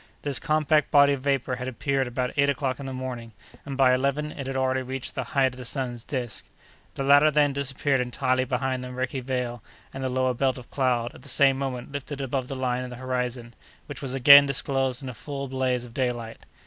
This compact body of vapor had appeared about eight o'clock in the morning, and, by eleven, it had already reached the height of the sun's disk. The latter then disappeared entirely behind the murky veil, and the lower belt of cloud, at the same moment, lifted above the line of the horizon, which was again disclosed in a full blaze of daylight.